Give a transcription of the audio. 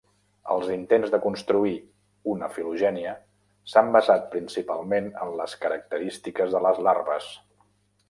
Els intents de construir una filogènia s'han basat principalment en les característiques de les larves.